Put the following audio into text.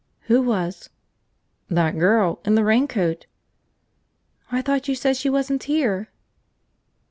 "Who was?" "That girl. In the raincoat." "I thought you said she wasn't here!"